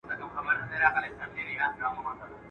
چي تندي كي دي سجدې ورته ساتلې.